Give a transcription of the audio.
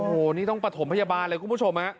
โอ้โหนี่ต้องประถมพยาบาลเลยคุณผู้ชมฮะ